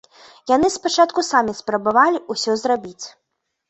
Яны спачатку самі спрабавалі ўсё зрабіць.